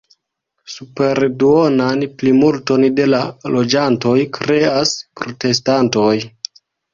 Superduonan plimulton de la loĝantoj kreas protestantoj.